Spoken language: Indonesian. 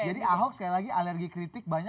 jadi ahok sekali lagi alergi kritik banyak